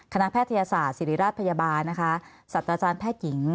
แพทยศาสตร์ศิริราชพยาบาลนะคะสัตว์อาจารย์แพทย์หญิง